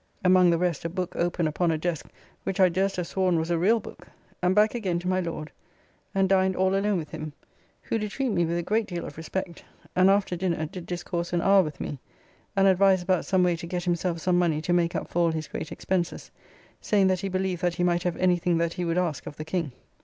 Among the rest a book open upon a desk, which I durst have sworn was a reall book, and back again to my Lord, and dined all alone with him, who do treat me with a great deal of respect; and after dinner did discourse an hour with me, and advise about some way to get himself some money to make up for all his great expenses, saying that he believed that he might have any thing that he would ask of the King.